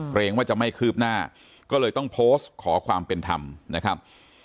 เกรงว่าจะไม่คืบหน้าก็เลยต้องโพสต์ขอความเป็นธรรมนะครับ